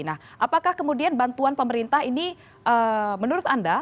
nah apakah kemudian bantuan pemerintah ini menurut anda